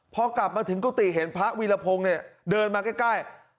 พอกลับมาถึงกุฏิเห็นพระวีรพงศ์เนี่ยเดินมาใกล้